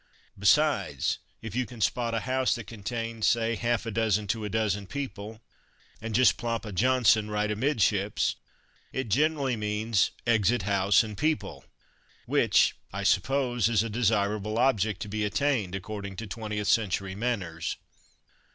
Besides, if you can spot a house that contains, say, half a dozen to a dozen people, and just plop a "Johnson" right amidships, it generally means "exit house and people," which, I suppose, is a desirable object to be attained, according to twentieth century manners.